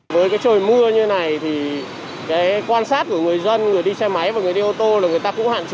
với trời mưa như thế này quan sát của người dân người đi xe máy và người đi ô tô là người ta cũng hẳn